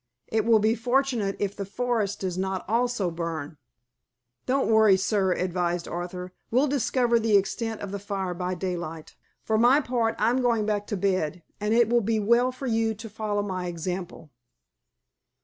It will be fortunate if the forest does not also burn." "Don't worry, sir," advised Arthur. "We'll discover the extent of the fire by daylight. For my part, I'm going back to bed, and it will be well for you to follow my example."